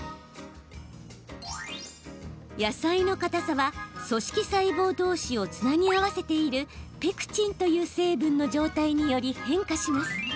野菜のかたさは組織細胞どうしをつなぎ合わせているペクチンという成分の状態により変化します。